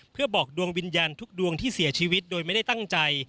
เพื่อบอกดวงวิญญาณทุกดวงที่เสียชีวิตโดยไม่ได้ตั้งใจ